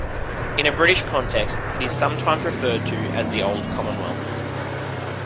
In a British context, it is sometimes referred to as the "Old Commonwealth".